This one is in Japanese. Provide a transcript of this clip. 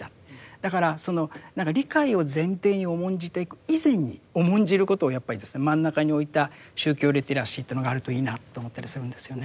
だから何か理解を前提に重んじていく以前に重んじることをやっぱりですね真ん中に置いた宗教リテラシーというのがあるといいなと思ったりするんですよね。